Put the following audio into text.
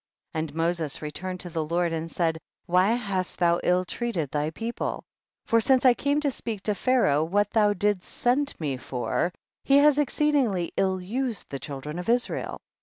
54. And Moses returned to the Lord and said, why hast thou ill treat ed thy people ? for since I came to speak to Pharaoh what thou didst send me for, he has exceedingly ill used the children of Israel.